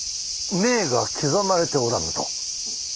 銘が刻まれておらぬと？